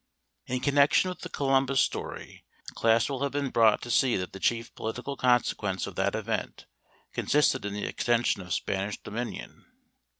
In connection with the Columbus story the class will have been brought to see that the chief political consequence of that event consisted in the extension of Spanish dominion.